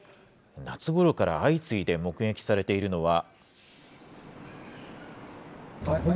夏ごろから相次いで目撃されているのは。